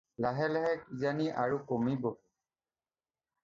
লাহে লাহে কিজানি আৰু কমিবহে।